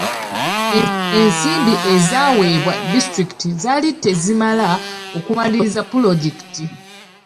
Ensimbi ezaaweebwa disitulikiti zaali tezimala okumaliriza pulojekiti.